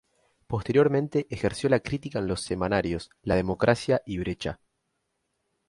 Posteriormente ejerció la crítica en los semanarios "La Democracia" y "Brecha".